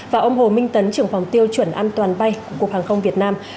và ông hồ minh tấn trưởng phòng tiêu chuẩn an toàn bay của cục hàng không việt nam